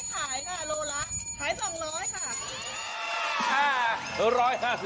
ในแบบร้อมพร้อมขายดิขายดิ